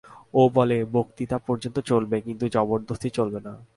ও বলে, বক্তৃতা পর্যন্ত চলবে, কিন্তু জবর্দস্তি চলবে না।